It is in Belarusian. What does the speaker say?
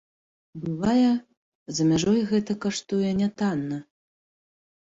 Бывае, за мяжой гэта каштуе нятанна.